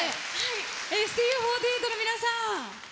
ＳＴＵ４８の皆さん。